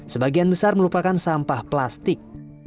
sebagian besar melupakan sampah plastik